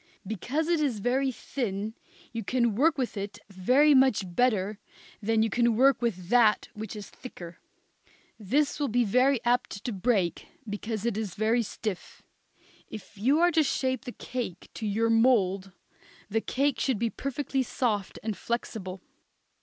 Because it is very thin you can work with it very much better than you can with that which is thicker. This will be very apt to break, because it is very stiff. If you are to shape the cake to your mould the cake should be perfectly soft and flexible.